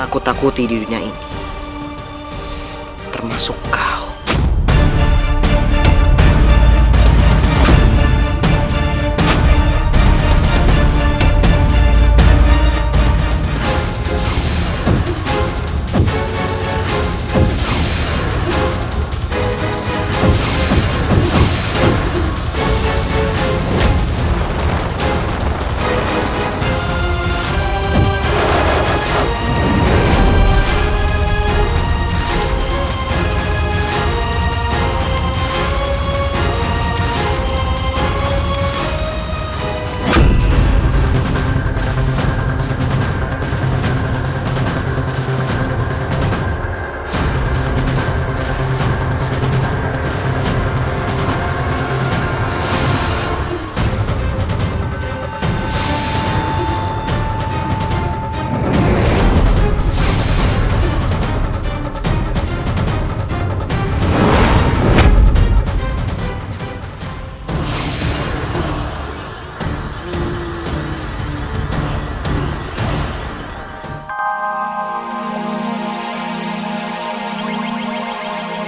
kau tidak perlu menghajar